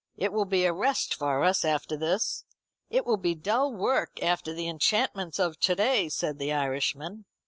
It will be a rest for us after this." "It will be dull work after the enchantments of to day," said the Irishman.